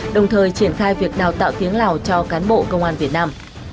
đồng thời triển khai việc đào tạo tiếng lào cho cán bộ công an việt nam